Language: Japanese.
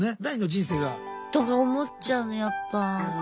第二の人生が。とか思っちゃうのやっぱ。